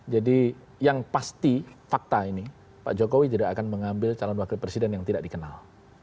jadi yang pasti fakta ini pak jokowi tidak akan mengambil calon wakil presiden yang tidak dikenal